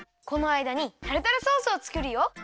このあいだにタルタルソースをつくるよ。